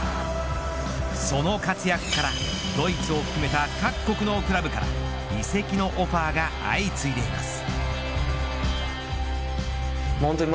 その活躍からドイツを含めた各国のクラブから移籍のオファーが相次いでいます。